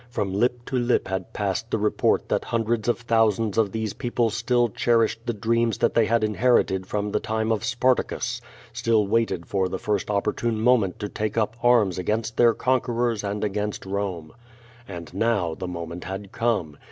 From lip to lip had passed the report that hundreds of thousands of these people still cher ished the dreams that they had inherited from the time of Spartacus, still waited for tiie first opportune moment to take up arms against their conquerors and against Rome. And now the moment had come!